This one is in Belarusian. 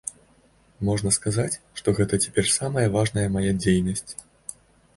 Можна сказаць, што гэта цяпер самая важная мая дзейнасць.